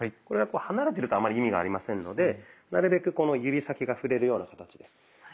これがこう離れてるとあんまり意味がありませんのでなるべくこの指先が触れるような形で。